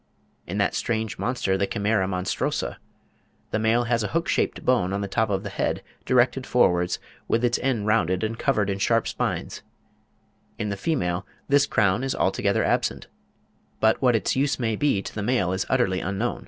In that strange monster, the Chimaera monstrosa, the male has a hook shaped bone on the top of the head, directed forwards, with its end rounded and covered with sharp spines; in the female "this crown is altogether absent," but what its use may be to the male is utterly unknown.